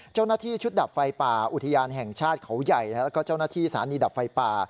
เจ้าหน้าที่ชุดดับไฟป่าอุทยานแห่งชาติเขาใหญ่แล้วก็เจ้าหน้าที่สถานีดับไฟป่า